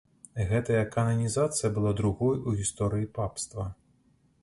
Гэтая кананізацыя была другой у гісторыі папства.